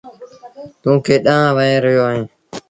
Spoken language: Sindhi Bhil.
توٚنٚ ڪيڏآݩهݩ وهي رهيو اهينٚ؟